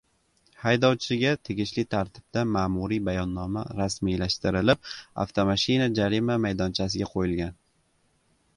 Haydovchiga tegishli tartibda ma’muriy bayonnoma rasmiylashtirilib, avtomashina jarima maydonchasiga qo‘yilgan